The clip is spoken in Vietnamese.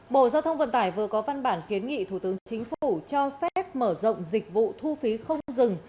bộ giao thông vận tải vừa có văn bản kiến nghị thủ tướng chính phủ cho phép mở rộng dịch vụ thu phí không dừng